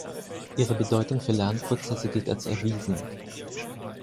Ihre Bedeutung für Lernprozesse gilt als erwiesen.